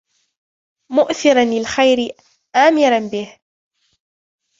مُؤْثِرًا لِلْخَيْرِ آمِرًا بِهِ